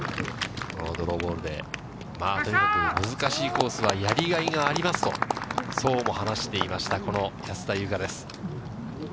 ドローボールで、難しいコースはやりがいがありますと、そうも話していました、この安田祐香です。